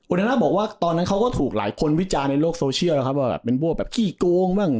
นาน่าบอกว่าตอนนั้นเขาก็ถูกหลายคนวิจารณ์ในโลกโซเชียลแล้วครับว่าแบบเป็นบัวแบบขี้โกงบ้าง